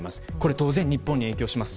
当然、日本にも影響します。